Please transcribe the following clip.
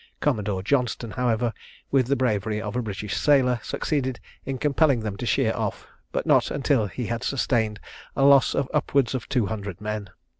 Commodore Johnstone, however, with the bravery of a British sailor, succeeded in compelling them to sheer off; but not until he had sustained a loss of upwards of two hundred men.